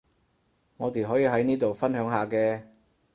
我哋可以喺呢度分享下嘅